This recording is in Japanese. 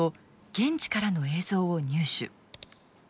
現地からの映像を入手。